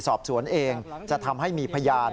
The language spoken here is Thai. สอบสวนเองจะทำให้มีพยาน